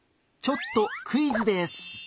ちょっとクイズです。